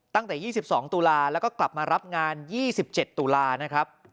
ตั้งแต่๒๒ตุลาแล้วก็กลับมารับงาน๒๗ตุลานะครับ